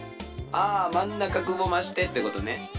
あまんなかくぼましてってことね。